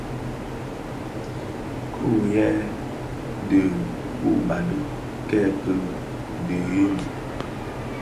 Ki ughèi di ubali kèki dheňi.